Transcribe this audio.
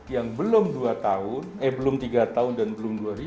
yang belum tiga tahun dan belum dua ribu